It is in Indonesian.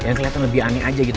yang kelihatan lebih aneh aja gitu